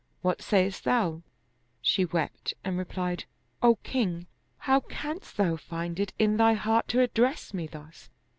What sayest thou?" She wept and replied, ''O king, how canst tfiou find it in thy heart to address me thus?